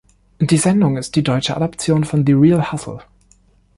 Die Sendung ist die deutsche Adaption von The Real Hustle.